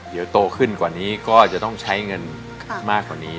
เดี๋ยวโตขึ้นกว่านี้ก็จะต้องใช้เงินมากกว่านี้